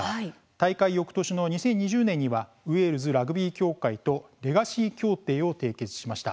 大会よくとしの２０２０年にはウェールズラグビー協会とレガシー協定を締結しました。